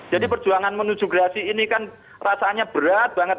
jadi perjuangan menuju gerasi ini kan rasanya berat banget